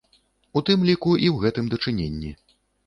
У тым ліку, і ў гэтым дачыненні.